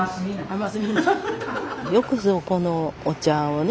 よくぞこのお茶をね